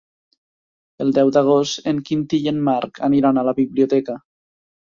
El deu d'agost en Quintí i en Marc aniran a la biblioteca.